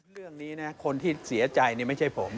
เรื่องนี้นะคนที่เสียใจไม่ใช่ผม